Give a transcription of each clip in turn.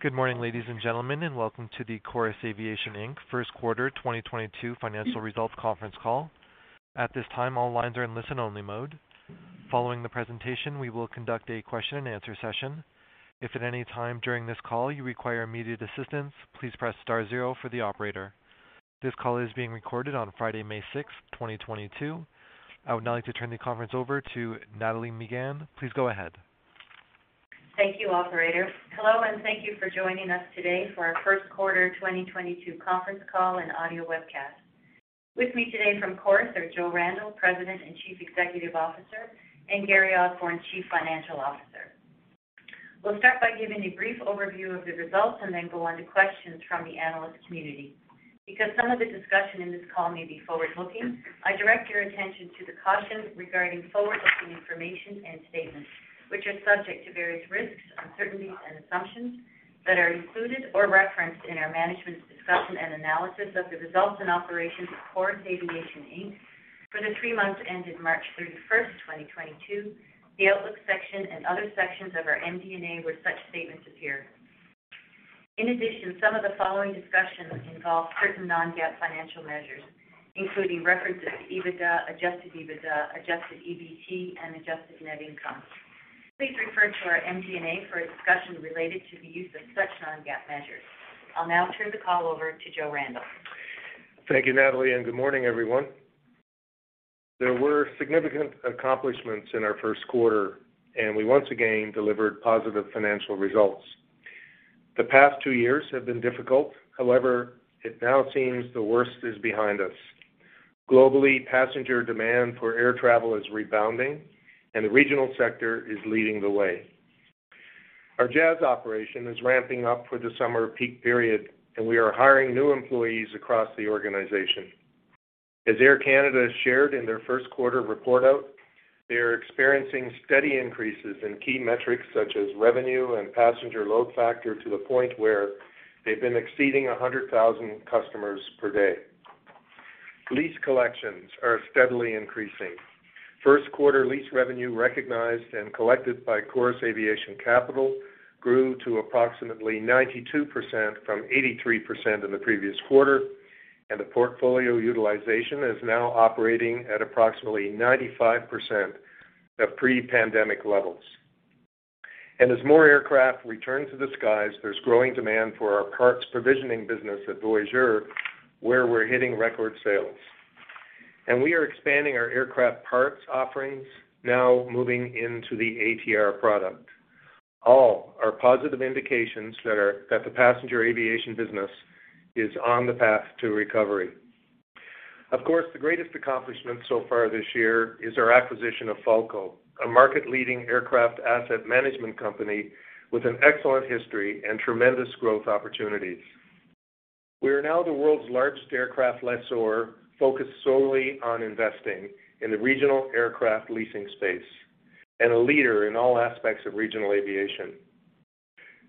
Good morning, ladies and gentlemen, and welcome to the Chorus Aviation Inc first quarter 2022 financial results conference call. At this time, all lines are in listen-only mode. Following the presentation, we will conduct a question-and-answer session. If at any time during this call you require immediate assistance, please press star zero for the operator. This call is being recorded on Friday, May 6, 2022. I would now like to turn the conference over to Nathalie Megann. Please go ahead. Thank you, Operator. Hello, and thank you for joining us today for our first quarter 2022 conference call and audio webcast. With me today from Chorus are Joe Randell, President and Chief Executive Officer, and Gary Osborne, Chief Financial Officer. We'll start by giving a brief overview of the results and then go on to questions from the analyst community. Because some of the discussion in this call may be forward-looking, I direct your attention to the caution regarding forward-looking information and statements, which are subject to various risks, uncertainties and assumptions that are included or referenced in our management's discussion and analysis of the results and operations of Chorus Aviation Inc for the three months ended March 31st, 2022, the outlook section and other sections of our MD&A where such statements appear. In addition, some of the following discussions involve certain non-GAAP financial measures, including references to EBITDA, adjusted EBITDA, adjusted EBT, and adjusted net income. Please refer to our MD&A for a discussion related to the use of such non-GAAP measures. I'll now turn the call over to Joe Randell. Thank you, Nathalie, and good morning, everyone. There were significant accomplishments in our first quarter, and we once again delivered positive financial results. The past two years have been difficult. However, it now seems the worst is behind us. Globally, passenger demand for air travel is rebounding, and the regional sector is leading the way. Our Jazz operation is ramping up for the summer peak period, and we are hiring new employees across the organization. As Air Canada shared in their first quarter report out, they are experiencing steady increases in key metrics such as revenue and passenger load factor to the point where they've been exceeding 100,000 customers per day. Lease collections are steadily increasing. First quarter lease revenue recognized and collected by Chorus Aviation Capital grew to approximately 92% from 83% in the previous quarter, and the portfolio utilization is now operating at approximately 95% of pre-pandemic levels. As more aircraft return to the skies, there's growing demand for our parts provisioning business at Voyageur, where we're hitting record sales. We are expanding our aircraft parts offerings, now moving into the ATR product. All are positive indications that the passenger aviation business is on the path to recovery. Of course, the greatest accomplishment so far this year is our acquisition of Falko, a market-leading aircraft asset management company with an excellent history and tremendous growth opportunities. We are now the world's largest aircraft lessor focused solely on investing in the regional aircraft leasing space and a leader in all aspects of regional aviation.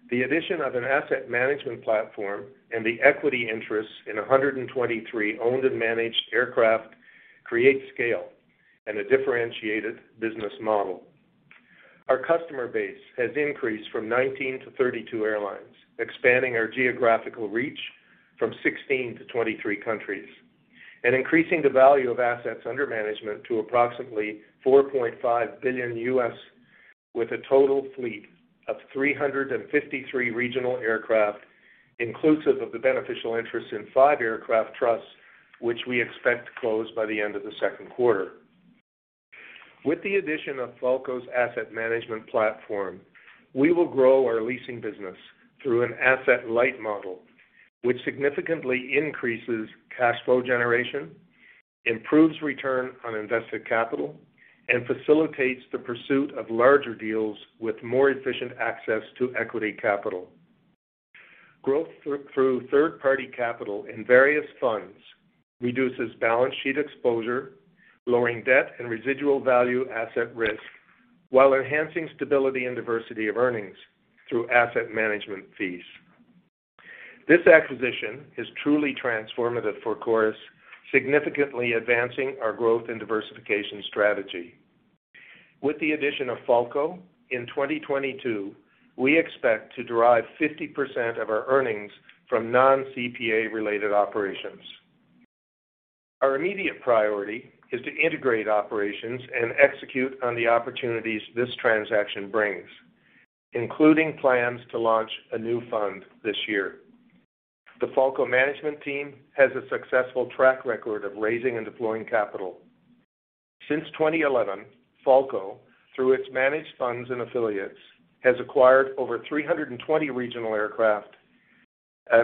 The addition of an asset management platform and the equity interest in 123 owned and managed aircraft create scale and a differentiated business model. Our customer base has increased from 19 to 32 airlines, expanding our geographical reach from 16 to 23 countries and increasing the value of assets under management to approximately $4.5 billion, with a total fleet of 353 regional aircraft, inclusive of the beneficial interest in five aircraft trusts, which we expect to close by the end of the second quarter. With the addition of Falko's asset management platform, we will grow our leasing business through an asset-light model, which significantly increases cash flow generation, improves return on invested capital, and facilitates the pursuit of larger deals with more efficient access to equity capital. Growth through third-party capital in various funds reduces balance sheet exposure, lowering debt and residual value asset risk, while enhancing stability and diversity of earnings through asset management fees. This acquisition is truly transformative for Chorus, significantly advancing our growth and diversification strategy. With the addition of Falko, in 2022, we expect to derive 50% of our earnings from non-CPA related operations. Our immediate priority is to integrate operations and execute on the opportunities this transaction brings, including plans to launch a new fund this year. The Falko management team has a successful track record of raising and deploying capital. Since 2011, Falko, through its managed funds and affiliates, has acquired over 320 regional aircraft,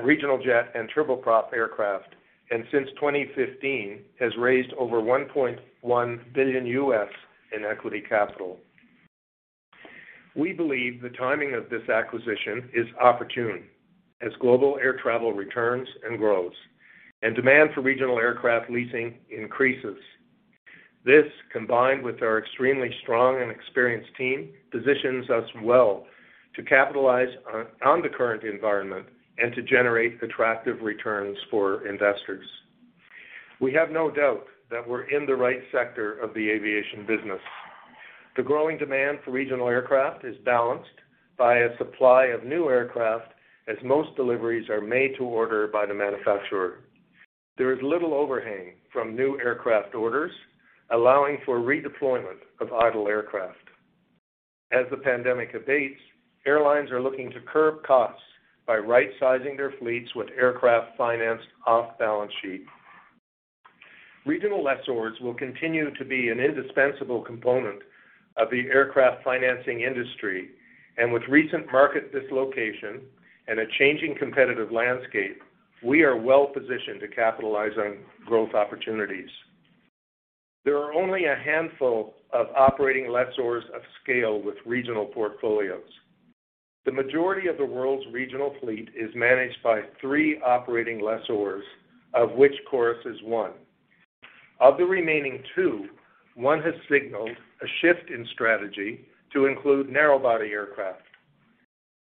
regional jet and turboprop aircraft, and since 2015 has raised over $1.1 billion in equity capital. We believe the timing of this acquisition is opportune as global air travel returns and grows and demand for regional aircraft leasing increases. This, combined with our extremely strong and experienced team, positions us well to capitalize on the current environment and to generate attractive returns for investors. We have no doubt that we're in the right sector of the aviation business. The growing demand for regional aircraft is balanced by a supply of new aircraft, as most deliveries are made to order by the manufacturer. There is little overhang from new aircraft orders, allowing for redeployment of idle aircraft. As the pandemic abates, airlines are looking to curb costs by rightsizing their fleets with aircraft financed off balance sheet. Regional lessors will continue to be an indispensable component of the aircraft financing industry, and with recent market dislocation and a changing competitive landscape, we are well-positioned to capitalize on growth opportunities. There are only a handful of operating lessors of scale with regional portfolios. The majority of the world's regional fleet is managed by three operating lessors, of which Chorus is one. Of the remaining two, one has signaled a shift in strategy to include narrow-body aircraft.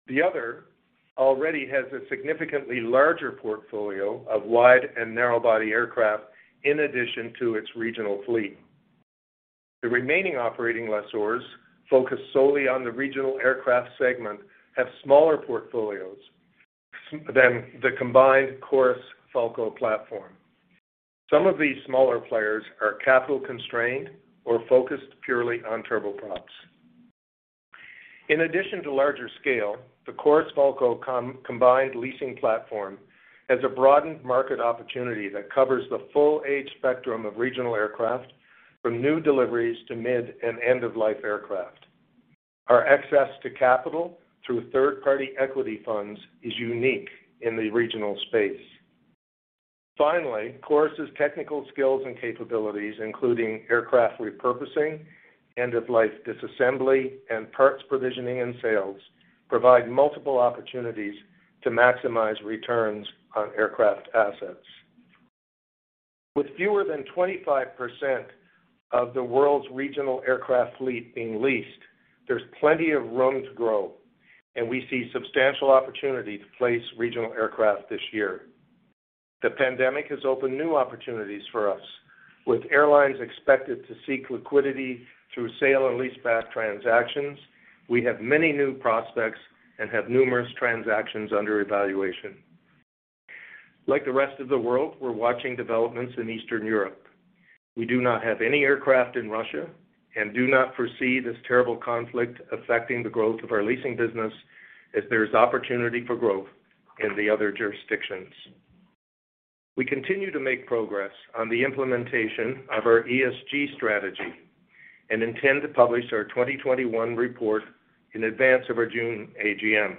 The other already has a significantly larger portfolio of wide and narrow-body aircraft in addition to its regional fleet. The remaining operating lessors focused solely on the regional aircraft segment have smaller portfolios than the combined Chorus-Falko platform. Some of these smaller players are capital-constrained or focused purely on turboprops. In addition to larger scale, the Chorus-Falko combined leasing platform has a broadened market opportunity that covers the full age spectrum of regional aircraft, from new deliveries to mid and end of life aircraft. Our access to capital through third-party equity funds is unique in the regional space. Finally, Chorus's technical skills and capabilities, including aircraft repurposing, end of life disassembly, and parts provisioning and sales, provide multiple opportunities to maximize returns on aircraft assets. With fewer than 25% of the world's regional aircraft fleet being leased, there's plenty of room to grow, and we see substantial opportunity to place regional aircraft this year. The pandemic has opened new opportunities for us. With airlines expected to seek liquidity through sale and leaseback transactions, we have many new prospects and have numerous transactions under evaluation. Like the rest of the world, we're watching developments in Eastern Europe. We do not have any aircraft in Russia and do not foresee this terrible conflict affecting the growth of our leasing business as there is opportunity for growth in the other jurisdictions. We continue to make progress on the implementation of our ESG strategy and intend to publish our 2021 report in advance of our June AGM.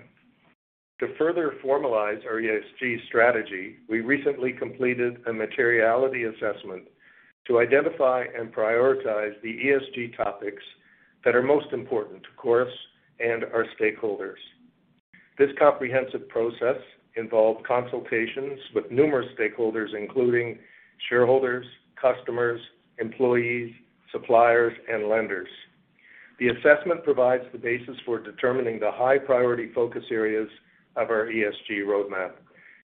To further formalize our ESG strategy, we recently completed a materiality assessment to identify and prioritize the ESG topics that are most important to Chorus and our stakeholders. This comprehensive process involved consultations with numerous stakeholders, including shareholders, customers, employees, suppliers, and lenders. The assessment provides the basis for determining the high-priority focus areas of our ESG roadmap,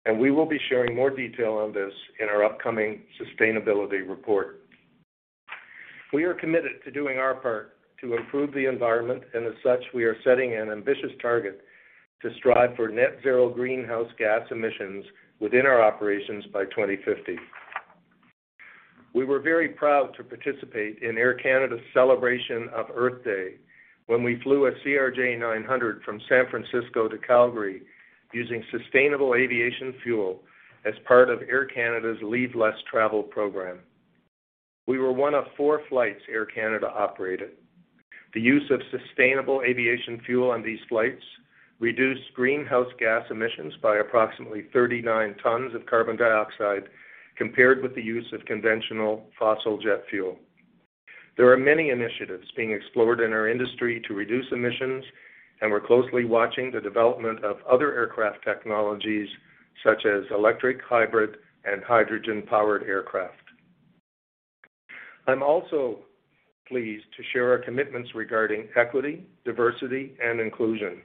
and we will be sharing more detail on this in our upcoming sustainability report. We are committed to doing our part to improve the environment, and as such, we are setting an ambitious target to strive for net zero greenhouse gas emissions within our operations by 2050. We were very proud to participate in Air Canada's celebration of Earth Day when we flew a CRJ900 from San Francisco to Calgary using sustainable aviation fuel as part of Air Canada's Leave Less Travel Program. We were one of four flights Air Canada operated. The use of sustainable aviation fuel on these flights reduced greenhouse gas emissions by approximately 39 tons of carbon dioxide compared with the use of conventional fossil jet fuel. There are many initiatives being explored in our industry to reduce emissions, and we're closely watching the development of other aircraft technologies such as electric, hybrid, and hydrogen-powered aircraft. I'm also pleased to share our commitments regarding equity, diversity, and inclusion.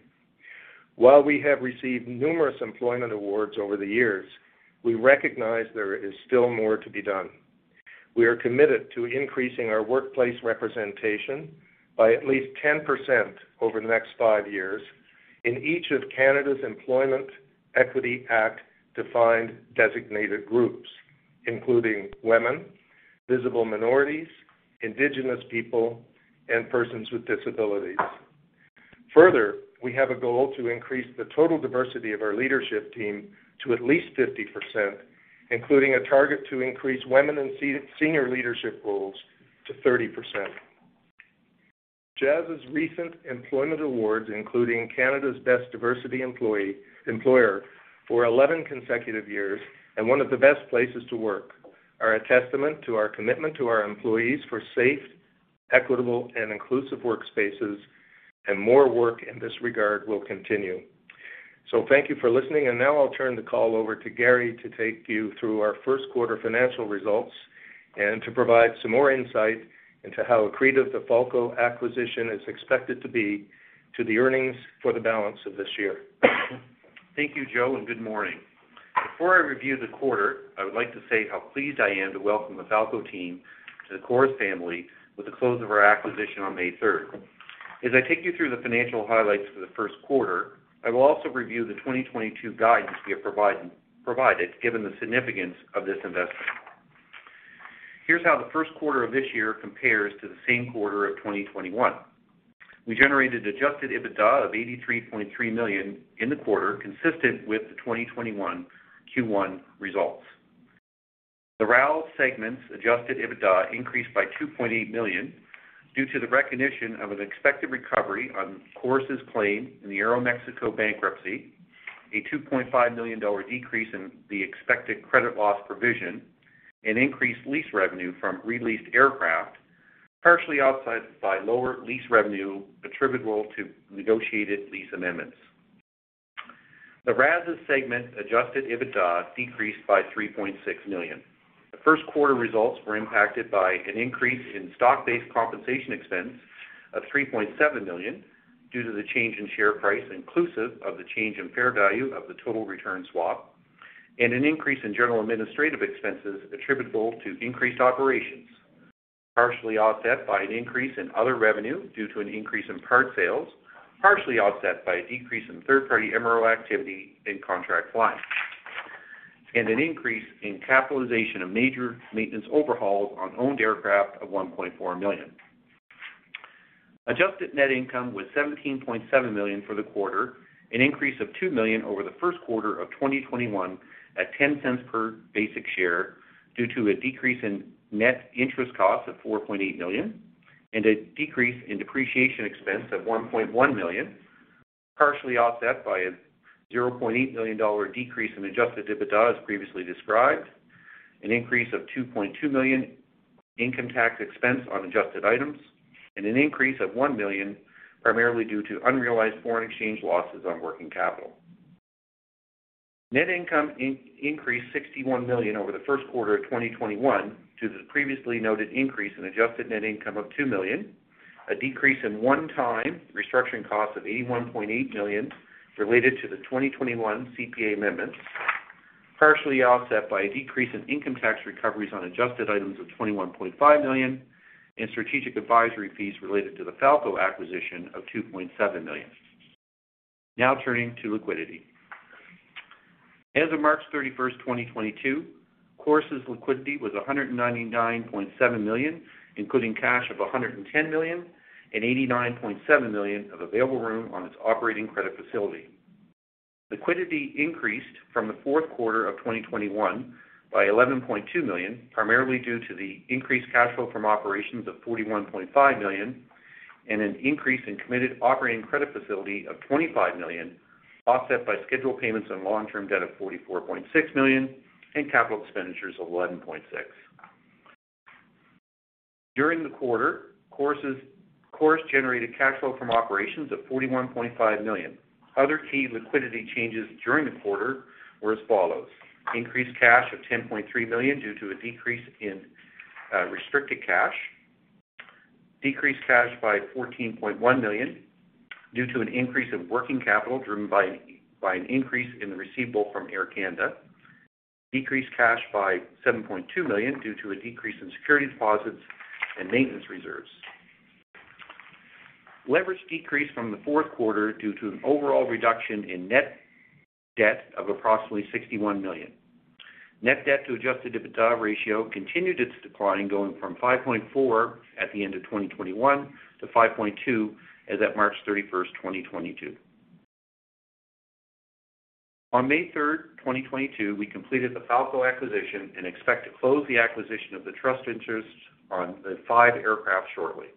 While we have received numerous employment awards over the years, we recognize there is still more to be done. We are committed to increasing our workplace representation by at least 10% over the next five years in each of Canada's Employment Equity Act defined designated groups, including women, visible minorities, Indigenous people, and persons with disabilities. Further, we have a goal to increase the total diversity of our leadership team to at least 50%, including a target to increase women in senior leadership roles to 30%. Jazz's recent employment awards, including Canada's Best Diversity Employers for 11 consecutive years and one of the best places to work are a testament to our commitment to our employees for safe, equitable, and inclusive workspaces, and more work in this regard will continue. Thank you for listening. Now I'll turn the call over to Gary to take you through our first quarter financial results. To provide some more insight into how accretive the Falko acquisition is expected to be to the earnings for the balance of this year. Thank you, Joe, and good morning. Before I review the quarter, I would like to say how pleased I am to welcome the Falko team to the Chorus family with the close of our acquisition on May 3rd. As I take you through the financial highlights for the first quarter, I will also review the 2022 guidance we have provided, given the significance of this investment. Here's how the first quarter of this year compares to the same quarter of 2021. We generated adjusted EBITDA of 83.3 million in the quarter, consistent with the 2021 Q1 results. The RAL segment's adjusted EBITDA increased by 2.8 million due to the recognition of an expected recovery on Chorus's claim in the Aeroméxico bankruptcy, a 2.5 million dollar decrease in the expected credit loss provision, and increased lease revenue from re-leased aircraft, partially offset by lower lease revenue attributable to negotiated lease amendments. The RAS segment's adjusted EBITDA decreased by 3.6 million. The first quarter results were impacted by an increase in stock-based compensation expense of 3.7 million due to the change in share price inclusive of the change in fair value of the total return swap, and an increase in general administrative expenses attributable to increased operations, partially offset by an increase in other revenue due to an increase in parts sales, partially offset by a decrease in third-party MRO activity in contract flying. An increase in capitalization of major maintenance overhauls on owned aircraft of 1.4 million. Adjusted net income was 17.7 million for the quarter, an increase of 2 million over the first quarter of 2021 at 0.10 per basic share due to a decrease in net interest costs of 4.8 million and a decrease in depreciation expense of 1.1 million, partially offset by a 0.8 million dollar decrease in adjusted EBITDA as previously described, an increase of 2.2 million income tax expense on adjusted items, and an increase of 1 million primarily due to unrealized foreign exchange losses on working capital. Net income increased 61 million over the first quarter of 2021 due to the previously noted increase in adjusted net income of 2 million, a decrease in one-time restructuring costs of 81.8 million related to the 2021 CPA amendments, partially offset by a decrease in income tax recoveries on adjusted items of 21.5 million and strategic advisory fees related to the Falko acquisition of 2.7 million. Now turning to liquidity. As of March 31st, 2022, Chorus's liquidity was 199.7 million, including cash of 110 million and 89.7 million of available room on its operating credit facility. Liquidity increased from the fourth quarter of 2021 by 11.2 million, primarily due to the increased cash flow from operations of 41.5 million and an increase in committed operating credit facility of 25 million, offset by scheduled payments on long-term debt of 44.6 million and capital expenditures of 11.6 million. During the quarter, Chorus generated cash flow from operations of 41.5 million. Other key liquidity changes during the quarter were as follows. Increased cash of 10.3 million due to a decrease in restricted cash. Decreased cash by 14.1 million due to an increase in working capital driven by an increase in the receivable from Air Canada. Decreased cash by 7.2 million due to a decrease in security deposits and maintenance reserves. Leverage decreased from the fourth quarter due to an overall reduction in net debt of approximately 61 million. Net debt to adjusted EBITDA ratio continued its decline, going from 5.4 at the end of 2021 to 5.2 as at March 31st, 2022. On May 3rd, 2022, we completed the Falko acquisition and expect to close the acquisition of the trust interests on the five aircraft shortly.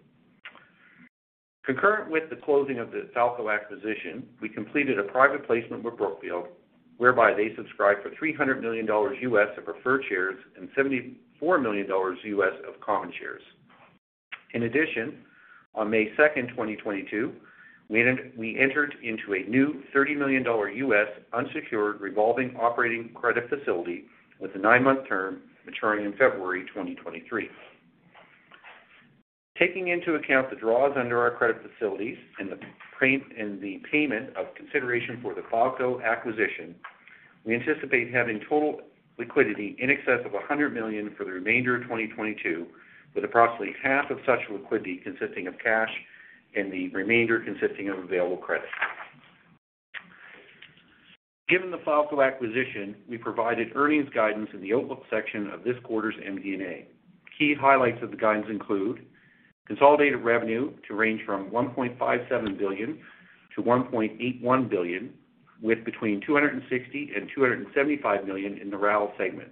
Concurrent with the closing of the Falko acquisition, we completed a private placement with Brookfield, whereby they subscribed for $300 million of preferred shares and $74 million of common shares. In addition, on May 2nd, 2022, we entered into a new $30 million unsecured revolving operating credit facility with a nine-month term maturing in February 2023. Taking into account the draws under our credit facilities and the payment of consideration for the Falko acquisition, we anticipate having total liquidity in excess of 100 million for the remainder of 2022, with approximately half of such liquidity consisting of cash and the remainder consisting of available credit. Given the Falko acquisition, we provided earnings guidance in the outlook section of this quarter's MD&A. Key highlights of the guidance include consolidated revenue to range from 1.57 billion to 1.81 billion, with between 260 million and 275 million in the RAL segment.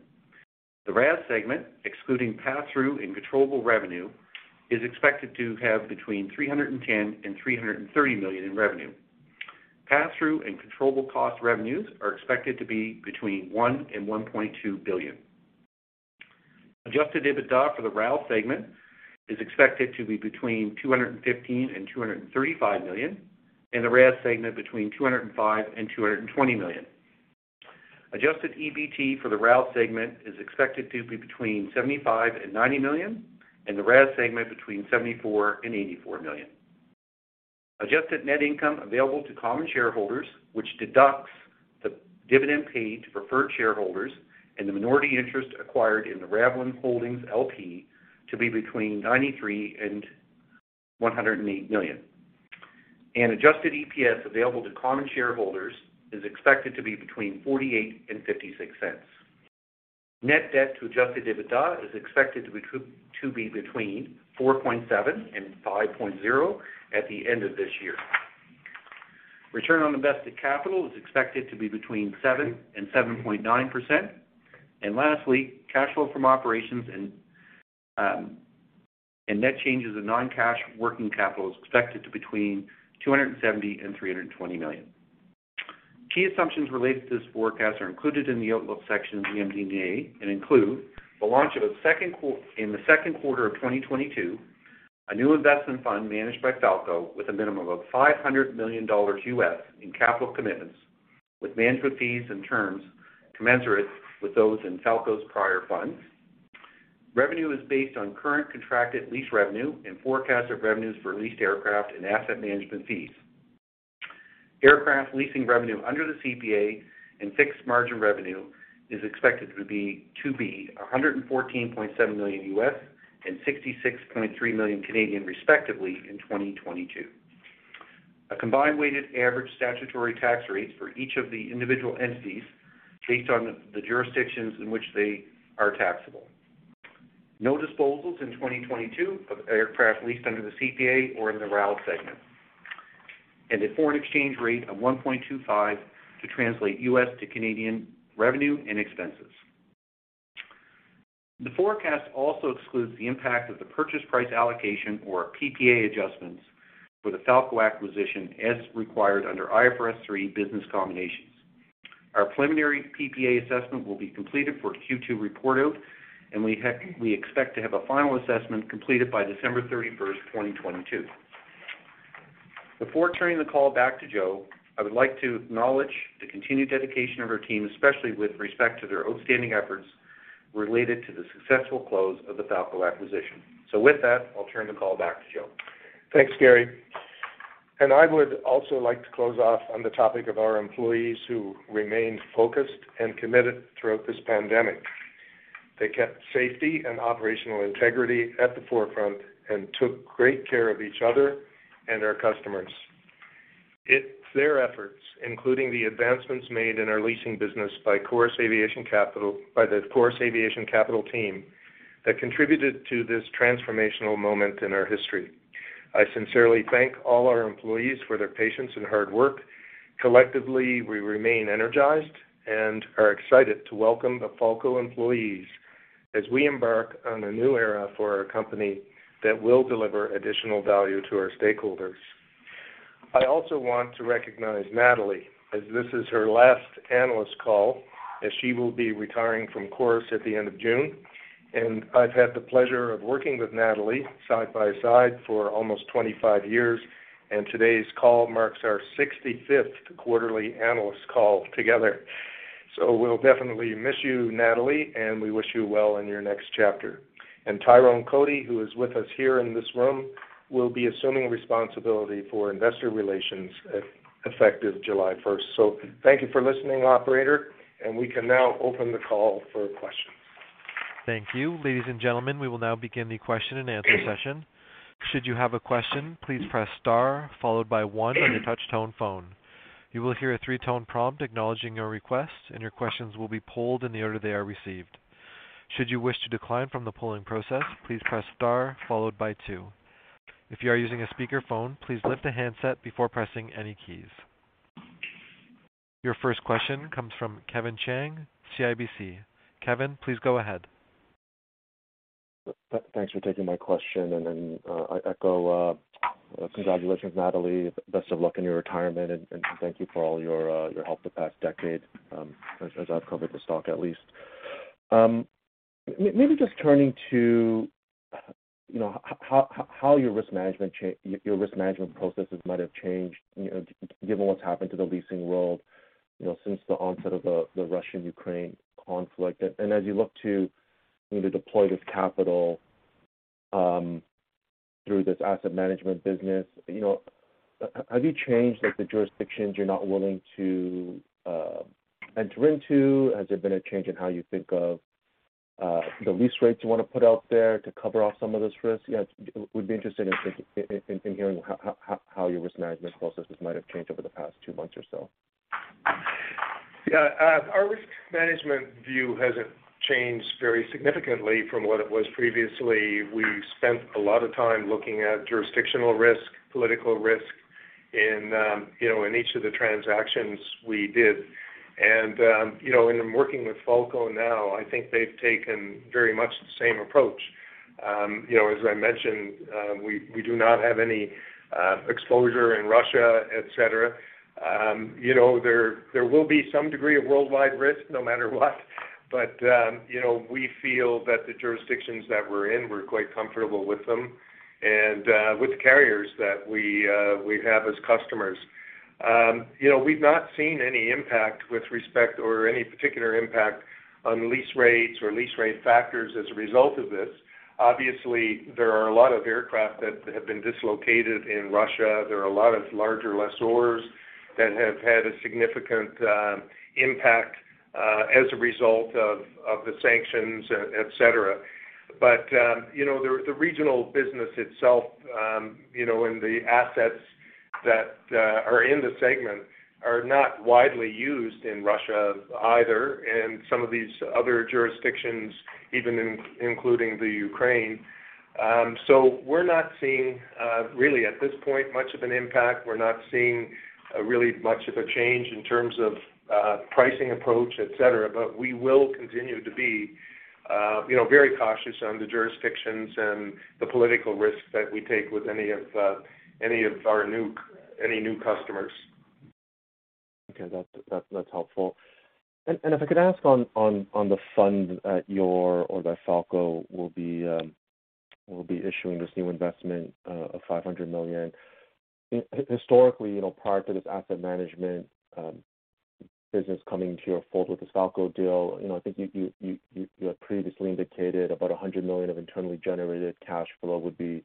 The RAS segment, excluding pass-through and controllable revenue, is expected to have between 310 million and 330 million in revenue. Pass-through and controllable cost revenues are expected to be between 1 billion and 1.2 billion. Adjusted EBITDA for the RAL segment is expected to be between 215 million and 235 million, and the RAS segment between 205 million and 220 million. Adjusted EBT for the RAL segment is expected to be between 75 million and 90 million, and the RAS segment between 74 million and 84 million. Adjusted net income available to common shareholders, which deducts the dividend paid to preferred shareholders and the minority interest acquired in the Ravelin Holdings LP to be between 93 million and 108 million. Adjusted EPS available to common shareholders is expected to be between 0.48 and 0.56. Net debt to adjusted EBITDA is expected to be between 4.7 and 5.0 at the end of this year. Return on invested capital is expected to be between 7% and 7.9%. Cash flow from operations and net changes in non-cash working capital is expected to be between 270 million and 320 million. Key assumptions related to this forecast are included in the outlook section of the MD&A and include the launch in the second quarter of 2022, a new investment fund managed by Falko with a minimum of $500 million in capital commitments with management fees and terms commensurate with those in Falko's prior funds. Revenue is based on current contracted lease revenue and forecast of revenues for leased aircraft and asset management fees. Aircraft leasing revenue under the CPA and fixed margin revenue is expected to be $114.7 million and 66.3 million respectively in 2022. A combined weighted average statutory tax rates for each of the individual entities based on the jurisdictions in which they are taxable. No disposals in 2022 of aircraft leased under the CPA or in the RAL segment. A foreign exchange rate of 1.25 to translate U.S. to Canadian revenue and expenses. The forecast also excludes the impact of the purchase price allocation or PPA adjustments for the Falko acquisition as required under IFRS 3 Business Combinations. Our preliminary PPA assessment will be completed for Q2 report out, and we expect to have a final assessment completed by December 31st, 2022. Before turning the call back to Joe, I would like to acknowledge the continued dedication of our team, especially with respect to their outstanding efforts related to the successful close of the Falko acquisition. With that, I'll turn the call back to Joe. Thanks, Gary. I would also like to close off on the topic of our employees who remained focused and committed throughout this pandemic. They kept safety and operational integrity at the forefront and took great care of each other and our customers. It's their efforts, including the advancements made in our leasing business by Chorus Aviation Capital, by the Chorus Aviation Capital team, that contributed to this transformational moment in our history. I sincerely thank all our employees for their patience and hard work. Collectively, we remain energized and are excited to welcome the Falko employees as we embark on a new era for our company that will deliver additional value to our stakeholders. I also want to recognize Nathalie, as this is her last analyst call, as she will be retiring from Chorus at the end of June. I've had the pleasure of working with Nathalie Megann side-by-side for almost 25 years, and today's call marks our 65th quarterly analyst call together. We'll definitely miss you, Nathalie Megann, and we wish you well in your next chapter. Tyrone Cotie, who is with us here in this room, will be assuming responsibility for investor relations effective July 1st. Thank you for listening, Operator, and we can now open the call for questions. Thank you. Ladies and gentlemen, we will now begin the question-and-answer session. Should you have a question, please press star followed by one on your touch-tone phone. You will hear a three-tone prompt acknowledging your request, and your questions will be polled in the order they are received. Should you wish to decline from the polling process, please press star followed by two. If you are using a speakerphone, please lift the handset before pressing any keys. Your first question comes from Kevin Chiang, CIBC. Kevin, please go ahead. Thanks for taking my question, and then, I echo congratulations, Nathalie. Best of luck in your retirement and thank you for all your help the past decade, as I've covered the stock at least. Maybe just turning to, you know, how your risk management processes might have changed, you know, given what's happened to the leasing world, you know, since the onset of the Russian-Ukraine conflict. As you look to, you know, deploy this capital, through this asset management business, you know, have you changed like the jurisdictions you're not willing to enter into? Has there been a change in how you think of the lease rates you wanna put out there to cover off some of those risks? You know, would be interested in hearing how your risk management processes might have changed over the past two months or so? Yeah, our risk management view hasn't changed very significantly from what it was previously. We spent a lot of time looking at jurisdictional risk, political risk in, you know, in each of the transactions we did. You know, in working with Falko now, I think they've taken very much the same approach. You know, as I mentioned, we do not have any exposure in Russia, et cetera. You know, there will be some degree of worldwide risk no matter what. You know, we feel that the jurisdictions that we're in, we're quite comfortable with them and with the carriers that we have as customers. You know, we've not seen any impact with respect to or any particular impact on lease rates or lease rate factors as a result of this. Obviously, there are a lot of aircraft that have been dislocated in Russia. There are a lot of larger lessors that have had a significant impact as a result of the sanctions, et cetera. You know, the regional business itself, you know, and the assets that are in the segment are not widely used in Russia either in some of these other jurisdictions, even including the Ukraine. We're not seeing really at this point much of an impact. We're not seeing really much of a change in terms of pricing approach, et cetera. We will continue to be you know, very cautious on the jurisdictions and the political risks that we take with any of our new customers. Okay. That's helpful. If I could ask on the fund that Falko will be issuing this new investment of $500 million. Historically, you know, prior to this asset management business coming into your fold with the Falko deal, you know, I think you had previously indicated about 100 million of internally generated cash flow would be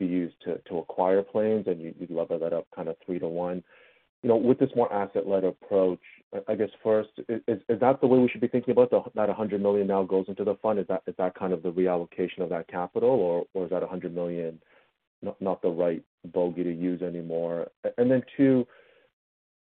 used to acquire planes, and you'd lever that up kind of three-to-one. You know, with this more asset-light approach, I guess first, is that the way we should be thinking about that 100 million now goes into the fund? Is that kind of the reallocation of that capital, or is that 100 million not the right bogey to use anymore? Too,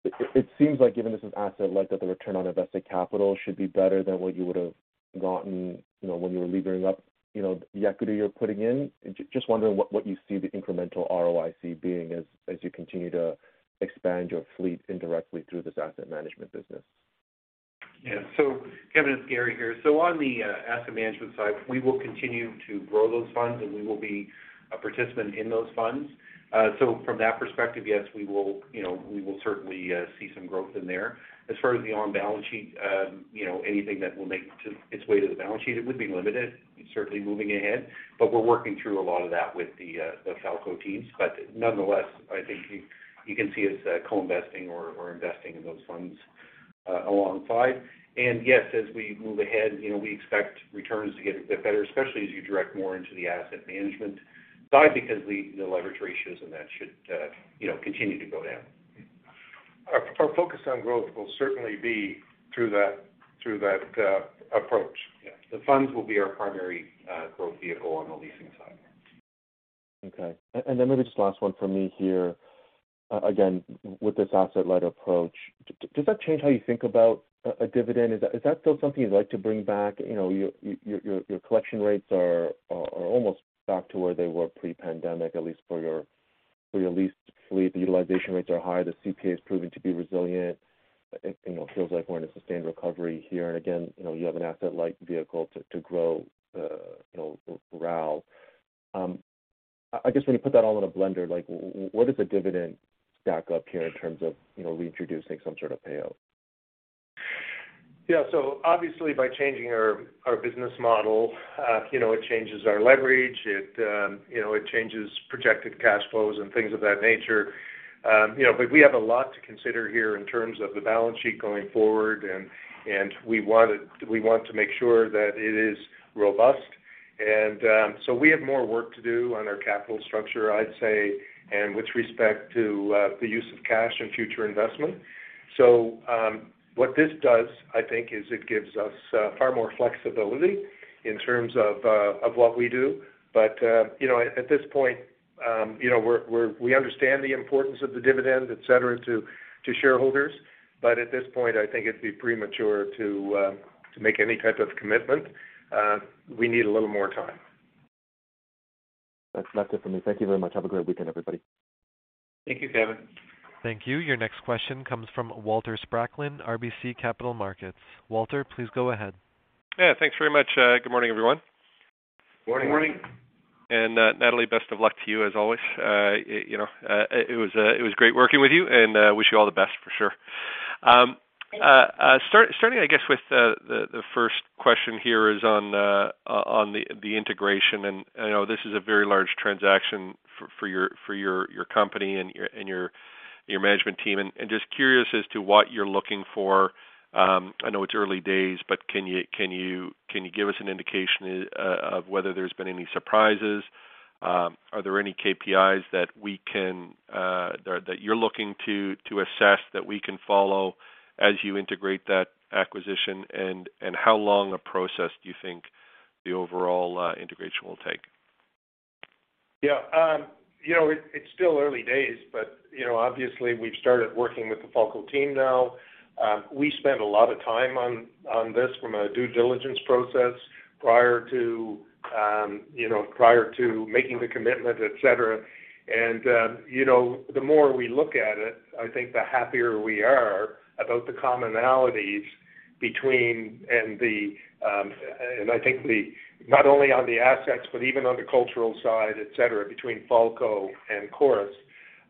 it seems like given this is asset-light, that the return on invested capital should be better than what you would've gotten, you know, when you were levering up, you know, the equity you're putting in. Just wondering what you see the incremental ROIC being as you continue to expand your fleet indirectly through this asset management business. Yeah. Kevin, it's Gary here. On the asset management side, we will continue to grow those funds, and we will be a participant in those funds. From that perspective, yes, we will, you know, we will certainly see some growth in there. As far as the on-balance sheet, you know, anything that will make its way to the balance sheet, it would be limited, certainly moving ahead. We're working through a lot of that with the Falko teams. Nonetheless, I think you can see us co-investing or investing in those funds alongside. Yes, as we move ahead, you know, we expect returns to get a bit better, especially as you direct more into the asset management side because the leverage ratios and that should, you know, continue to go down. Our focus on growth will certainly be through that approach. Yeah. The funds will be our primary growth vehicle on the leasing side. Okay. Maybe just last one from me here, again, with this asset-light approach, does that change how you think about a dividend? Is that still something you'd like to bring back? You know, your collection rates are almost back to where they were pre-pandemic, at least for your leased fleet. Utilization rates are high. The CPA is proving to be resilient. It feels like we're in a sustained recovery here. Again, you know, you have an asset-light vehicle to grow RAL. I just want to put that all in a blender, like, what does the dividend stack up here in terms of reintroducing some sort of payout? Yeah. Obviously, by changing our business model, you know, it changes our leverage. It, you know, it changes projected cash flows and things of that nature. You know, we have a lot to consider here in terms of the balance sheet going forward, and we want to make sure that it is robust. We have more work to do on our capital structure, I'd say, and with respect to the use of cash and future investment. What this does, I think, is it gives us far more flexibility in terms of what we do. You know, at this point, you know, we understand the importance of the dividend, et cetera, to shareholders. At this point, I think it'd be premature to make any type of commitment. We need a little more time. That's it for me. Thank you very much. Have a great weekend, everybody. Thank you, Kevin. Thank you. Your next question comes from Walter Spracklin, RBC Capital Markets. Walter, please go ahead. Yeah, thanks very much. Good morning, everyone. Morning. Morning. Nathalie Megann, best of luck to you as always. You know, it was great working with you, and wish you all the best for sure. Thank you. Starting, I guess, with the first question here is on the integration. I know this is a very large transaction for your company and your management team. Just curious as to what you're looking for. I know it's early days, but can you give us an indication of whether there's been any surprises. Are there any KPIs that we can or that you're looking to assess that we can follow as you integrate that acquisition. How long a process do you think the overall integration will take. Yeah. You know, it's still early days, but you know, obviously we've started working with the Falko team now. We spent a lot of time on this from a due diligence process prior to making the commitment, et cetera. You know, the more we look at it, I think the happier we are about the commonalities, not only on the assets, but even on the cultural side, et cetera, between Falko and Chorus.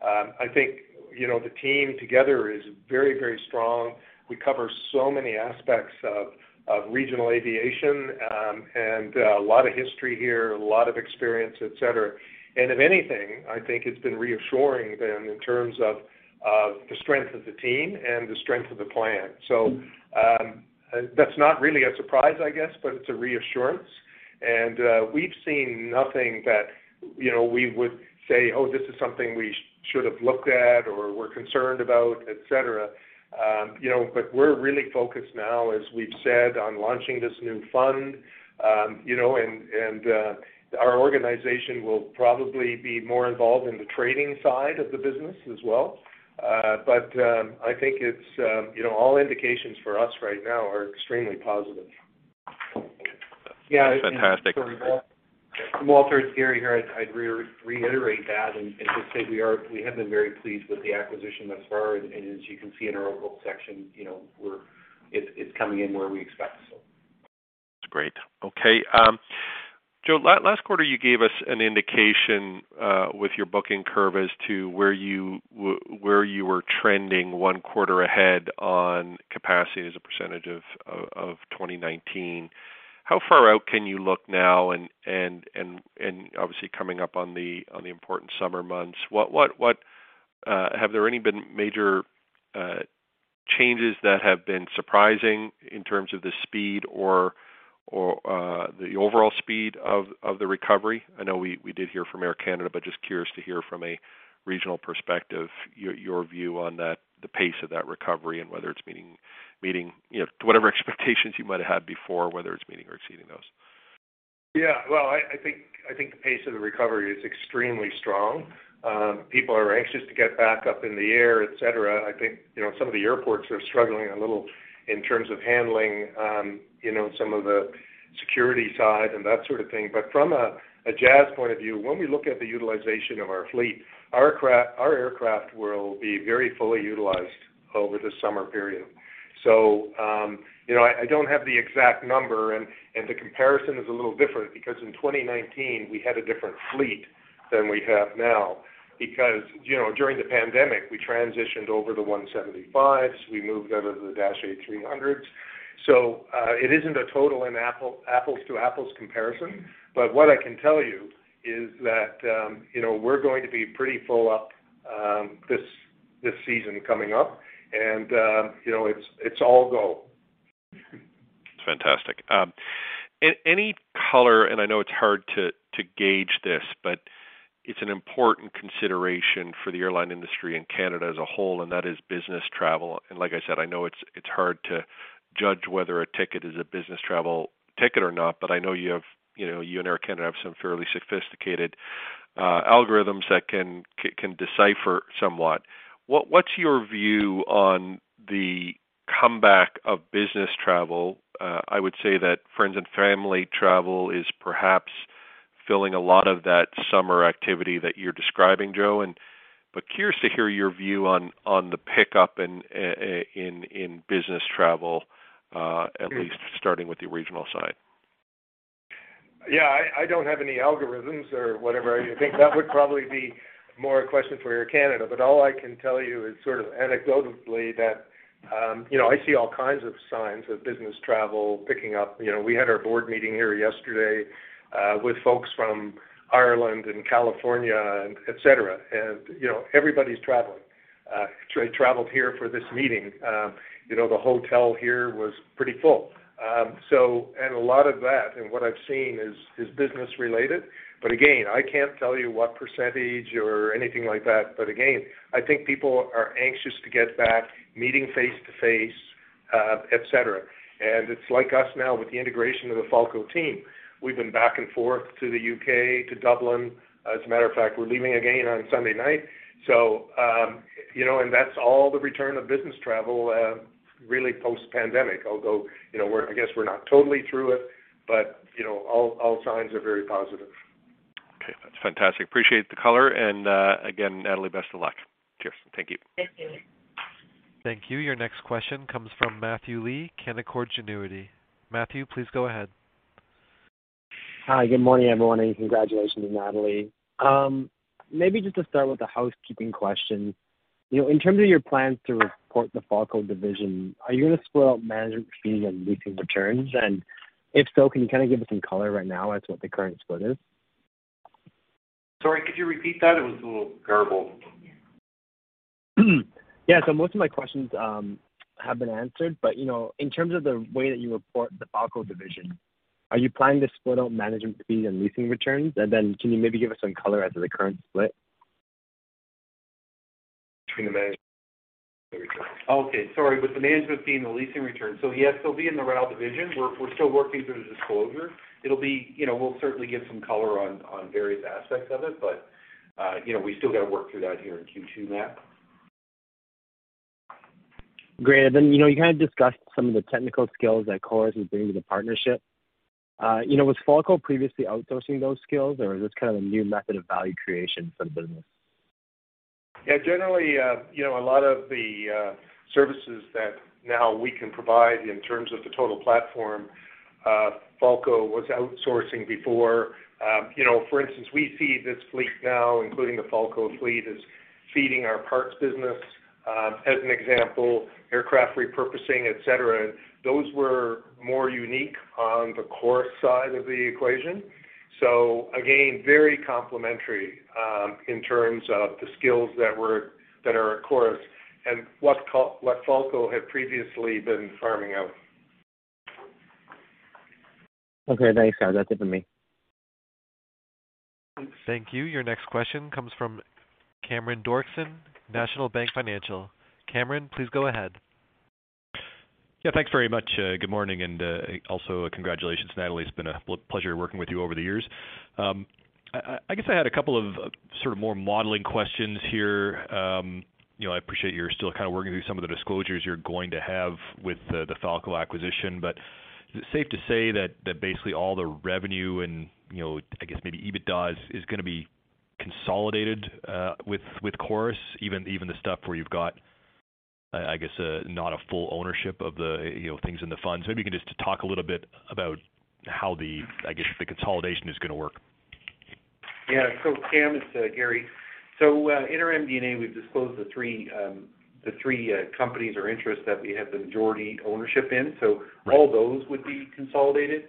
I think you know, the team together is very, very strong. We cover so many aspects of regional aviation, and a lot of history here, a lot of experience, et cetera. If anything, I think it's been reassuring them in terms of the strength of the team and the strength of the plan. That's not really a surprise, I guess, but it's a reassurance. We've seen nothing that, you know, we would say, "Oh, this is something we should have looked at or we're concerned about," et cetera. You know, but we're really focused now, as we've said, on launching this new fund. You know, and our organization will probably be more involved in the trading side of the business as well. I think it's. You know, all indications for us right now are extremely positive. Yeah. That's fantastic. Walter, it's Gary here. I'd reiterate that and just say we have been very pleased with the acquisition thus far. As you can see in our overall section, you know, it's coming in where we expect, so. That's great. Okay. Joe, last quarter, you gave us an indication with your booking curve as to where you were trending one quarter ahead on capacity as a percentage of 2019. How far out can you look now and obviously coming up on the important summer months, what have there been any major changes that have been surprising in terms of the speed or the overall speed of the recovery? I know we did hear from Air Canada, but just curious to hear from a regional perspective, your view on that, the pace of that recovery and whether it's meeting, you know, to whatever expectations you might have had before, whether it's meeting or exceeding those. Yeah. Well, I think the pace of the recovery is extremely strong. People are anxious to get back up in the air, et cetera. I think, you know, some of the airports are struggling a little in terms of handling, you know, some of the security side and that sort of thing. From a Jazz point of view, when we look at the utilization of our fleet, our aircraft will be very fully utilized over the summer period. I don't have the exact number, and the comparison is a little different because in 2019, we had a different fleet than we have now. During the pandemic, we transitioned over to Embraer 175s, we moved out of the Dash 8-300s. It isn't a total apples to apples comparison. What I can tell you is that, you know, we're going to be pretty full up, this season coming up. You know, it's all go. That's fantastic. Any color, and I know it's hard to gauge this, but it's an important consideration for the airline industry and Canada as a whole, and that is business travel. Like I said, I know it's hard to judge whether a ticket is a business travel ticket or not, but I know you have. You know, you and Air Canada have some fairly sophisticated algorithms that can decipher somewhat. What's your view on the comeback of business travel? I would say that friends and family travel is perhaps filling a lot of that summer activity that you're describing, Joe. But curious to hear your view on the pickup in business travel, at least starting with the regional side. Yeah. I don't have any algorithms or whatever. I think that would probably be more a question for Air Canada. But all I can tell you is sort of anecdotally that, you know, I see all kinds of signs of business travel picking up. You know, we had our board meeting here yesterday, with folks from Ireland and California, et cetera. And, you know, everybody's traveling. They traveled here for this meeting. You know, the hotel here was pretty full. So, and a lot of that, and what I've seen is business related. But again, I can't tell you what percentage or anything like that. But again, I think people are anxious to get back, meeting face to face, et cetera. And it's like us now with the integration of the Falko team. We've been back and forth to the U.K., to Dublin. As a matter of fact, we're leaving again on Sunday night. You know, and that's all the return of business travel, really post-pandemic. Although, you know, I guess we're not totally through it, but, you know, all signs are very positive. Okay, that's fantastic. Appreciate the color. again, Nathalie, best of luck. Cheers. Thank you. Thank you. Thank you. Your next question comes from Matthew Lee, Canaccord Genuity. Matthew, please go ahead. Hi. Good morning, everyone, and congratulations, Nathalie. Maybe just to start with the housekeeping question. You know, in terms of your plans to report the Falko division, are you gonna split out management fees and leasing returns? If so, can you kinda give us some color right now as to what the current split is? Sorry, could you repeat that? It was a little garbled. Yeah. Most of my questions have been answered. You know, in terms of the way that you report the Falko division, are you planning to split out management fees and leasing returns? Can you maybe give us some color as to the current split? Between the management and the returns. Okay, sorry. With the management fee and the leasing return. Yes, they'll be in the RAL division. We're still working through the disclosure. It'll be. You know, we'll certainly give some color on various aspects of it, but, you know, we still gotta work through that here in Q2, Matt. Great. You know, you kinda discussed some of the technical skills that Chorus is bringing to the partnership. You know, was Falko previously outsourcing those skills, or is this kind of a new method of value creation for the business? Yeah, generally, you know, a lot of the services that now we can provide in terms of the total platform, Falko was outsourcing before. You know, for instance, we see this fleet now, including the Falko fleet, as feeding our parts business, as an example, aircraft repurposing, et cetera. Those were more unique on the Chorus side of the equation. Again, very complementary, in terms of the skills that are at Chorus and what Falko had previously been farming out. Okay, thanks, guys. That's it for me. Thank you. Your next question comes from Cameron Doerksen, National Bank Financial. Cameron, please go ahead. Yeah, thanks very much. Good morning, and also congratulations, Nathalie. It's been a pleasure working with you over the years. I guess I had a couple of sort of more modeling questions here. You know, I appreciate you're still kind of working through some of the disclosures you're going to have with the Falko acquisition, but is it safe to say that basically all the revenue and, you know, I guess maybe EBITDA is gonna be consolidated with Chorus, even the stuff where you've got, I guess not a full ownership of the, you know, things in the fund. Maybe you can just talk a little bit about how the, I guess, the consolidation is gonna work. Yeah. Cam, it's Gary. In our MD&A, we've disclosed the three companies or interests that we have the majority ownership in. Right. All those would be consolidated.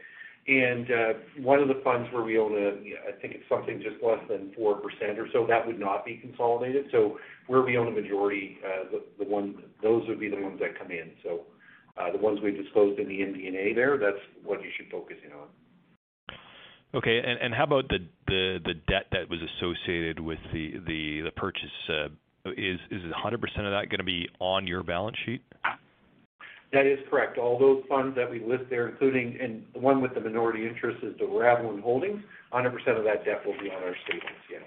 One of the funds where we own, I think it's something just less than 4% or so, that would not be consolidated. Where we own a majority, those would be the ones that come in. The ones we disclosed in the MD&A there, that's what you should focus in on. Okay. How about the debt that was associated with the purchase? Is it 100% of that gonna be on your balance sheet? That is correct. All those funds that we list there, including, and the one with the minority interest is the Ravelin Holdings. 100% of that debt will be on our statements, yeah.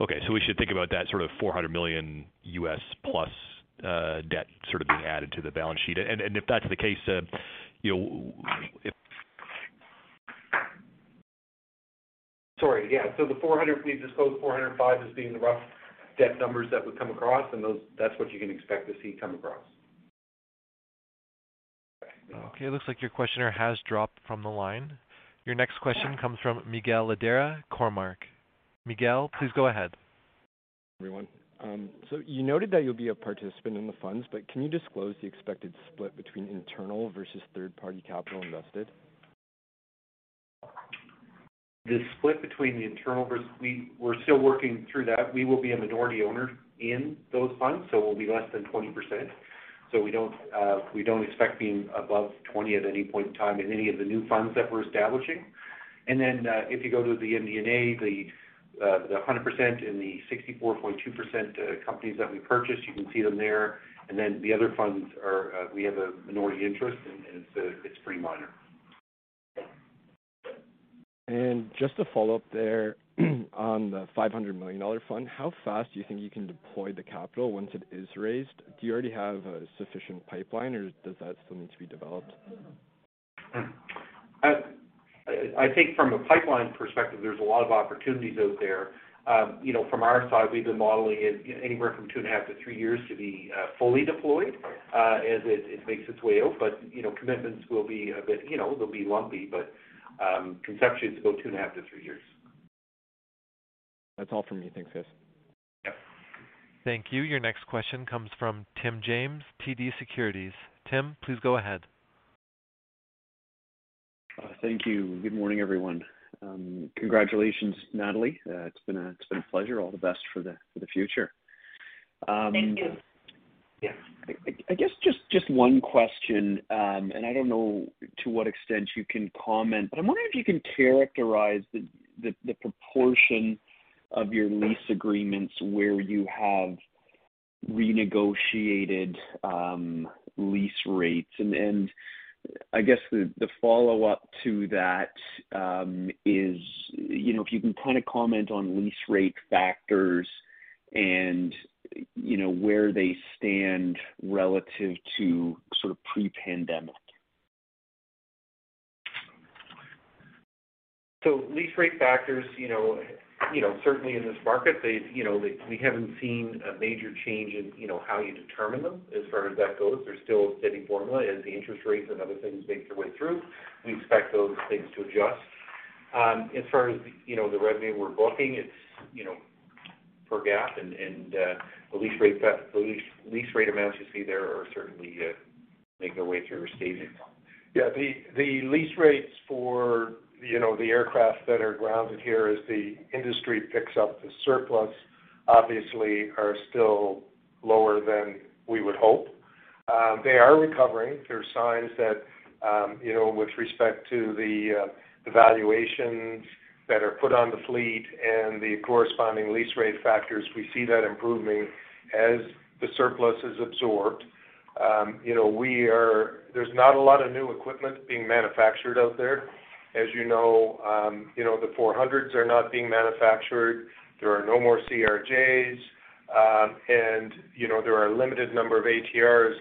Okay. We should think about that sort of $400+ million debt sort of being added to the balance sheet. If that's the case, you know, if... Sorry. Yeah. The $400 million, we disclosed $405 million as being the rough debt numbers that would come across, and those, that's what you can expect to see come across. Okay. It looks like your questioner has dropped from the line. Your next question comes from Miguel Ladeira, Cormark. Miguel, please go ahead. Everyone. You noted that you'll be a participant in the funds, but can you disclose the expected split between internal versus third-party capital invested? The split between the internal versus we're still working through that. We will be a minority owner in those funds, so we'll be less than 20%. We don't expect being above 20 at any point in time in any of the new funds that we're establishing. If you go to the MD&A, the 100% and the 64.2%, companies that we purchased, you can see them there. The other funds are, we have a minority interest and it's pretty minor. Just to follow up there on the $500 million fund, how fast do you think you can deploy the capital once it is raised? Do you already have a sufficient pipeline or does that still need to be developed? I think from a pipeline perspective, there's a lot of opportunities out there. You know, from our side, we've been modeling it anywhere from 2.5 to three years to be fully deployed as it makes its way out. You know, commitments will be a bit, you know, they'll be lumpy, but conceptually, it's about 2.5 to three years. That's all for me. Thanks, guys. Yep. Thank you. Your next question comes from Tim James, TD Securities. Tim, please go ahead. Thank you. Good morning, everyone. Congratulations, Nathalie. It's been a pleasure. All the best for the future. Thank you. Yeah. I guess just one question, and I don't know to what extent you can comment, but I'm wondering if you can characterize the proportion of your lease agreements where you have renegotiated lease rates. I guess the follow-up to that is, you know, if you can kinda comment on lease rate factors and, you know, where they stand relative to sort of pre-pandemic. Lease rate factors, you know, certainly in this market, we haven't seen a major change in, you know, how you determine them as far as that goes. There's still a steady formula. As the interest rates and other things make their way through, we expect those things to adjust. As far as, you know, the revenue we're booking, it's, you know, per GAAP and the lease rate amounts you see there are certainly making their way through restating. Yeah. The lease rates for, you know, the aircraft that are grounded here as the industry picks up the surplus obviously are still lower than we would hope. They are recovering. There are signs that, you know, with respect to the valuations that are put on the fleet and the corresponding lease rate factors, we see that improving as the surplus is absorbed. You know, there's not a lot of new equipment being manufactured out there. As you know, you know, the 400s are not being manufactured. There are no more CRJs, and you know, there are a limited number of ATRs.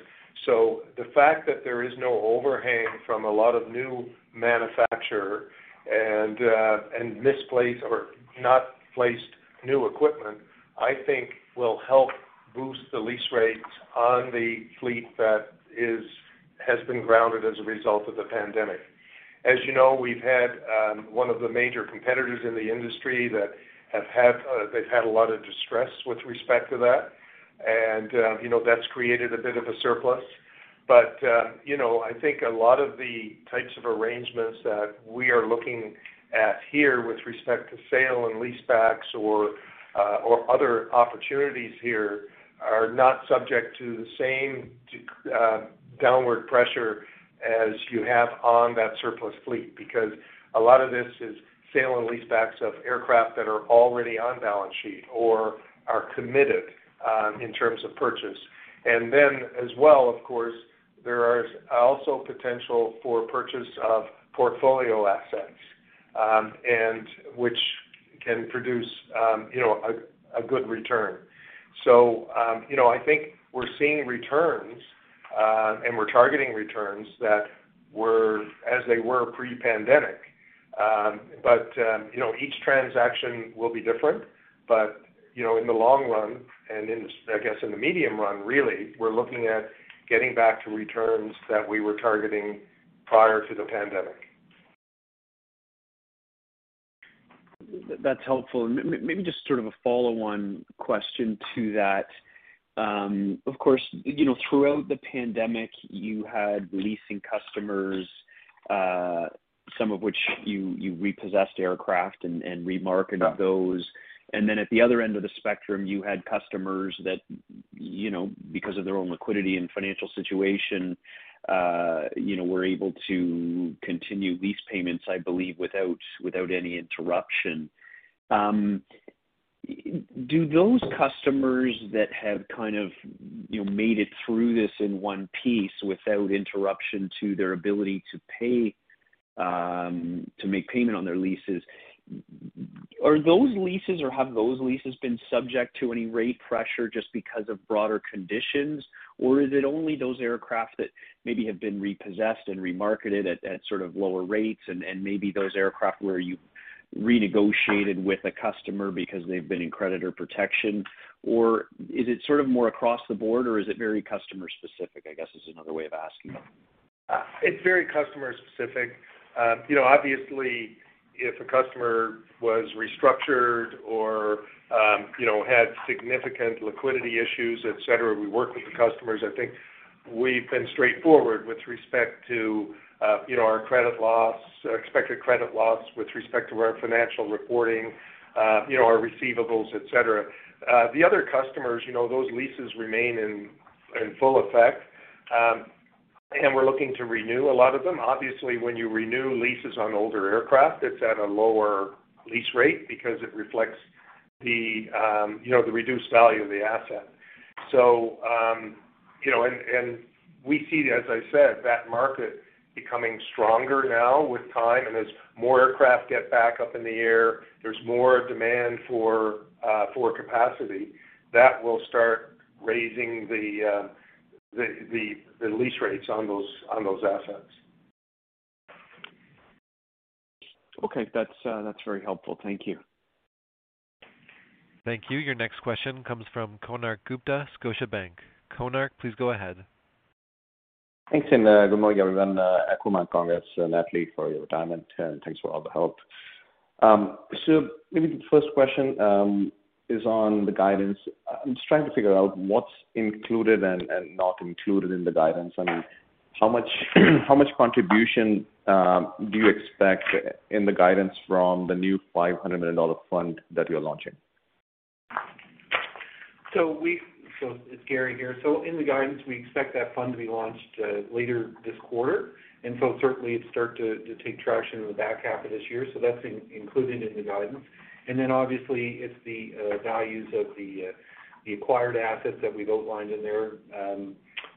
The fact that there is no overhang from a lot of new manufacturing and misplaced or not placed new equipment I think will help boost the lease rates on the fleet that has been grounded as a result of the pandemic. As you know, we've had one of the major competitors in the industry that has had a lot of distress with respect to that. You know, that's created a bit of a surplus. You know, I think a lot of the types of arrangements that we are looking at here with respect to sale and leasebacks or other opportunities here are not subject to the same downward pressure as you have on that surplus fleet. Because a lot of this is sale and leasebacks of aircraft that are already on balance sheet or are committed in terms of purchase. As well, of course, there are also potential for purchase of portfolio assets, and which can produce, you know, a good return. You know, I think we're seeing returns, and we're targeting returns that were as they were pre-pandemic. You know, each transaction will be different. You know, in the long run, and in, I guess in the medium run really, we're looking at getting back to returns that we were targeting prior to the pandemic. That's helpful. Maybe just sort of a follow-on question to that. Of course, you know, throughout the pandemic, you had leasing customers, some of which you repossessed aircraft and remarketed those. Yeah. Then at the other end of the spectrum, you had customers that, you know, because of their own liquidity and financial situation, you know, were able to continue lease payments, I believe, without any interruption. Do those customers that have kind of, you know, made it through this in one piece without interruption to their ability to pay, to make payment on their leases, are those leases or have those leases been subject to any rate pressure just because of broader conditions? Or is it only those aircraft that maybe have been repossessed and remarketed at sort of lower rates and maybe those aircraft where you renegotiated with a customer because they've been in creditor protection? Or is it sort of more across the board or is it very customer specific, I guess is another way of asking that? It's very customer specific. You know, obviously, if a customer was restructured or, you know, had significant liquidity issues, et cetera, we work with the customers. I think we've been straightforward with respect to, you know, our credit loss, expected credit loss with respect to our financial reporting, you know, our receivables, et cetera. The other customers, you know, those leases remain in full effect, and we're looking to renew a lot of them. Obviously, when you renew leases on older aircraft, it's at a lower lease rate because it reflects the, you know, the reduced value of the asset. You know, and we see, as I said, that market becoming stronger now with time and as more aircraft get back up in the air, there's more demand for capacity. That will start raising the lease rates on those assets. Okay. That's very helpful. Thank you. Thank you. Your next question comes from Konark Gupta, Scotiabank. Konark, please go ahead. Thanks, and good morning, everyone, I'm Konark. Chorus, and Nathalie for your time and thanks for all the help. So maybe the first question is on the guidance. I'm just trying to figure out what's included and not included in the guidance. I mean, how much contribution do you expect in the guidance from the new $500 million fund that you're launching? It's Gary here. In the guidance, we expect that fund to be launched later this quarter. Certainly it start to take traction in the back half of this year. That's included in the guidance. Then obviously it's the values of the acquired assets that we've outlined in there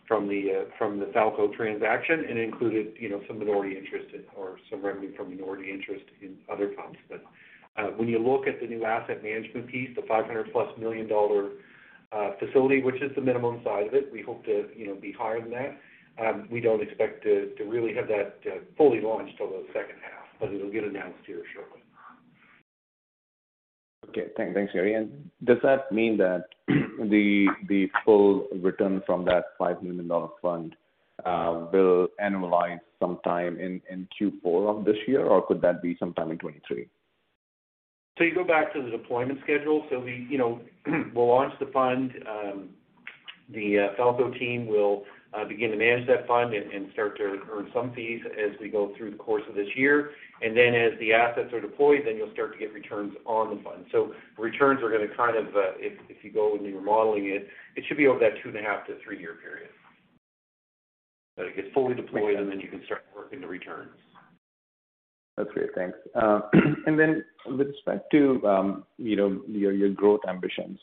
from the Falko transaction and included, you know, some minority interest or some revenue from minority interest in other funds. When you look at the new asset management piece, the 500+ million dollar facility, which is the minimum size of it, we hope to, you know, be higher than that. We don't expect to really have that fully launched till the second half, but it'll get announced here shortly. Thanks, Gary. Does that mean that the full return from that $500 million fund will annualize sometime in Q4 of this year? Or could that be sometime in 2023? You go back to the deployment schedule. We, you know, will launch the fund. The Falko team will begin to manage that fund and start to earn some fees as we go through the course of this year. As the assets are deployed, then you will start to get returns on the fund. The returns are gonna kind of, if you go and you are modeling it should be over that 2.5 to three-year period. It gets fully deployed, and then you can start working the returns. That's great. Thanks. With respect to your growth ambitions,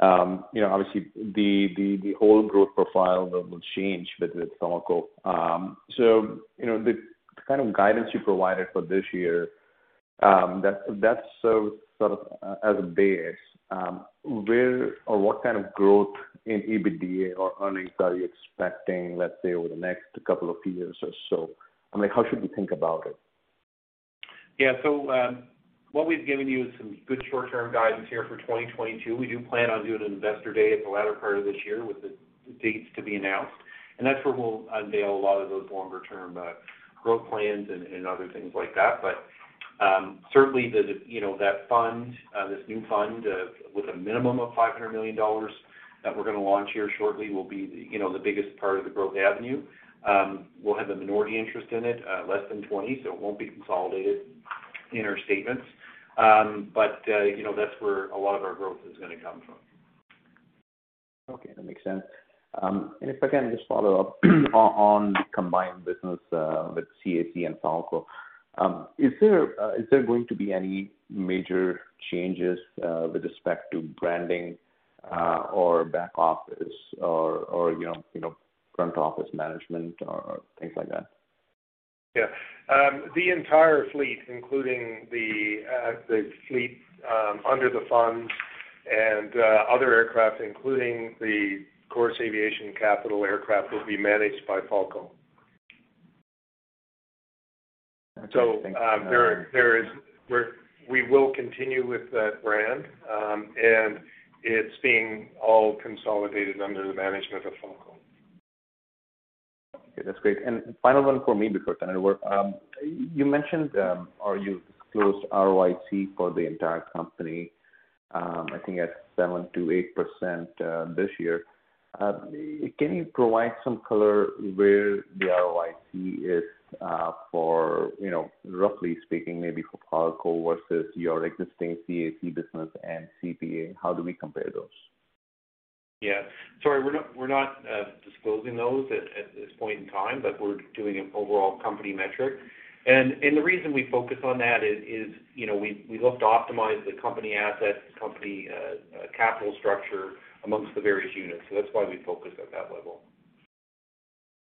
you know, obviously the whole growth profile will change with Falko. The kind of guidance you provided for this year, that's sort of as a base, where or what kind of growth in EBITDA or earnings are you expecting, let's say, over the next couple of years or so? I mean, how should we think about it? Yeah. What we've given you is some good short-term guidance here for 2022. We do plan on doing an investor day at the latter part of this year with the dates to be announced, and that's where we'll unveil a lot of those longer-term growth plans and other things like that. Certainly you know that fund, this new fund, with a minimum of $ 500 million that we're gonna launch here shortly will be you know the biggest part of the growth avenue. We'll have a minority interest in it, less than 20%, so it won't be consolidated in our statements. You know that's where a lot of our growth is gonna come from. Okay. That makes sense. If I can just follow up on the combined business with CAC and Falko. Is there going to be any major changes with respect to branding or back office or you know front office management or things like that? The entire fleet, including the fleet under the fund and other aircraft, including the Chorus Aviation Capital aircraft, will be managed by Falko. Okay. Thank you. We will continue with that brand, and it's being all consolidated under the management of Falko. Okay. That's great. Final one for me before I turn it over. You mentioned, or you've disclosed ROIC for the entire company, I think at 7%-8%, this year. Can you provide some color where the ROIC is, for, you know, roughly speaking maybe for Falko versus your existing CAC business and CPA? How do we compare those? Yeah. Sorry, we're not disclosing those at this point in time, but we're doing an overall company metric. The reason we focus on that is, you know, we look to optimize the company assets, capital structure among the various units, so that's why we focus at that level.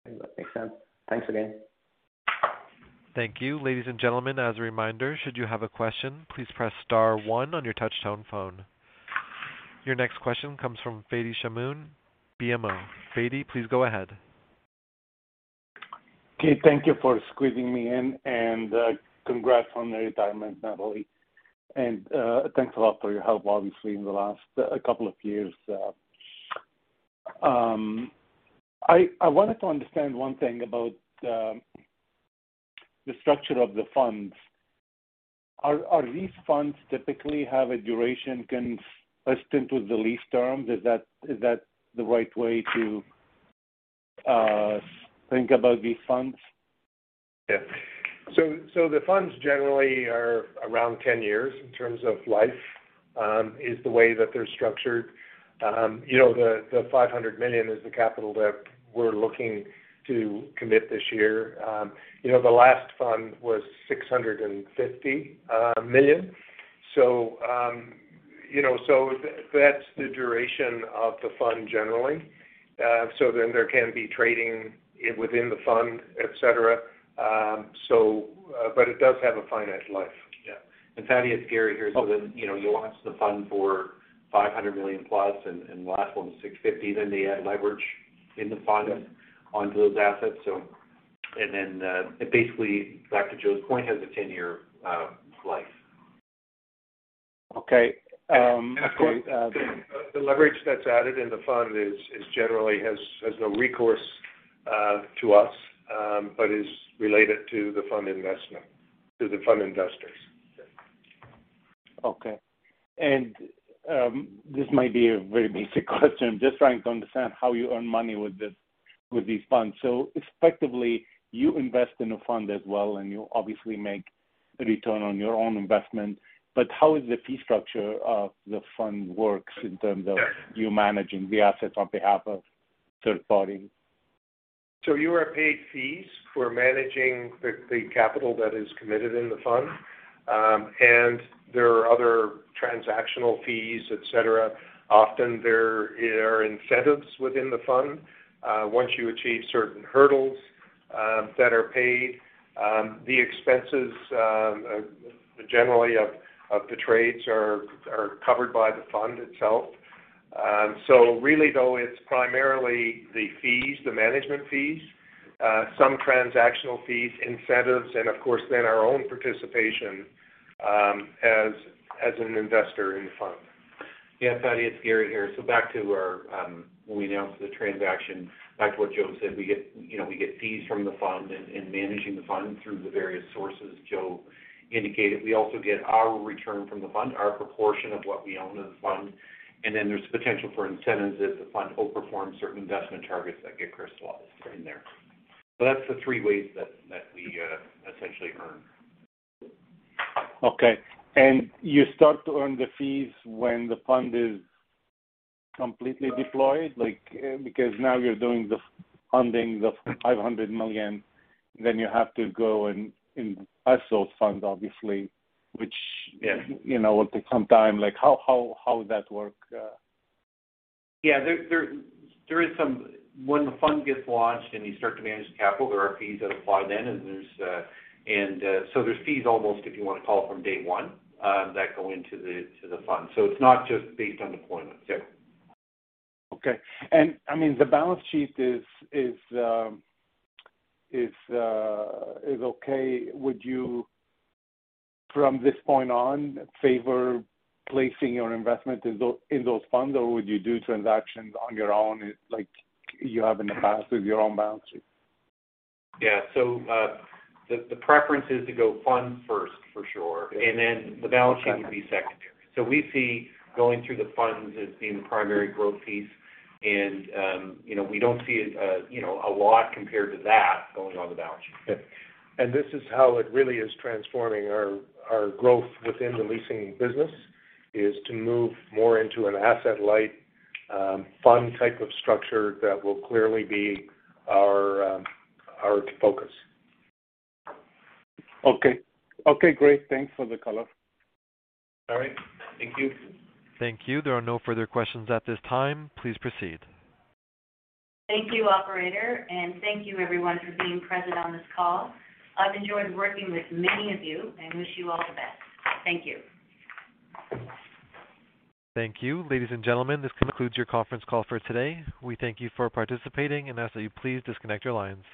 That makes sense. Thanks again. Thank you. Ladies and gentlemen, as a reminder, should you have a question, please press star one on your touch-tone phone. Your next question comes from Fadi Chamoun, BMO. Fadi, please go ahead. Okay. Thank you for squeezing me in, and, congrats on your retirement, Nathalie. Thanks a lot for your help, obviously, in the last couple of years. I wanted to understand one thing about the structure of the funds. Are these funds typically have a duration consistent with the lease terms? Is that the right way to think about these funds? The funds generally are around 10 years in terms of life, is the way that they're structured. You know, the $500 million is the capital that we're looking to commit this year. You know, the last fund was 650 million. You know, that's the duration of the fund generally. There can be trading within the fund, et cetera. It does have a finite life. Yeah. Fadi, it's Gary here. Okay. You know, you launch the fund for 500+ million and the last one was 650 million, then they add leverage in the fund. Yeah. Onto those assets. Basically back to Joe's point, has a 10-year life. Okay. The leverage that's added in the fund is generally has no recourse to us, but is related to the fund investment to the fund investors. Okay. This might be a very basic question. I'm just trying to understand how you earn money with this, with these funds. Effectively, you invest in a fund as well and you obviously make a return on your own investment, but how is the fee structure of the fund works in terms of? Yeah. You managing the assets on behalf of third party? You are paid fees for managing the capital that is committed in the fund, and there are other transactional fees, et cetera. Often there are incentives within the fund, once you achieve certain hurdles, that are paid. The expenses generally of the trades are covered by the fund itself. Really though, it's primarily the fees, the management fees, some transactional fees, incentives, and of course then our own participation, as an investor in the fund. Yeah. Fadi, it's Gary here. Back to our, when we announced the transaction, back to what Joe said, we get, you know, we get fees from the fund and managing the fund through the various sources Joe indicated. We also get our return from the fund, our proportion of what we own in the fund. Then there's potential for incentives if the fund overperforms certain investment targets that get crystallized in there. That's the three ways that we essentially earn. Okay. You start to earn the fees when the fund is completely deployed? Like, because now you're doing the funding of $500 million, then you have to go and invest those funds obviously, which- Yeah. You know, will take some time. Like how would that work? Yeah. There is some, when the fund gets launched and you start to manage the capital, there are fees that apply then and there's fees almost, if you wanna call it, from day one that go into the fund. It's not just based on deployment. Yeah. Okay. I mean, the balance sheet is okay. Would you, from this point on, favor placing your investment in those funds, or would you do transactions on your own like you have in the past with your own balance sheet? Yeah. The preference is to go fund first for sure, and then the balance sheet would be secondary. We see going through the funds as being the primary growth piece and, you know, we don't see it, you know, a lot compared to that going on the balance sheet. Yeah. This is how it really is transforming our growth within the leasing business, is to move more into an asset-light, fund type of structure that will clearly be our focus. Okay. Okay, great. Thanks for the color. All right. Thank you. Thank you. There are no further questions at this time. Please proceed. Thank you, Operator, and thank you everyone for being present on this call. I've enjoyed working with many of you and wish you all the best. Thank you. Thank you. Ladies and gentlemen, this concludes your conference call for today. We thank you for participating and ask that you please disconnect your lines.